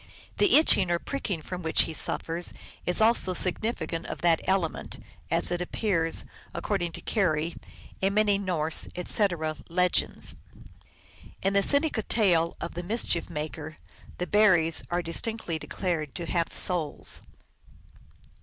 The itching or pricking from which he suffers is also significant of that element, as appears, according to Keary, in many Norse, etc., legends. In the Seneca tale of the Mischief Maker, the Ber ries are distinctly declared to have souls.